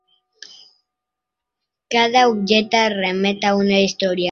Cada objecte remet a una història.